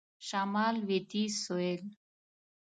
شمال .. لویدیځ .. سوېل ..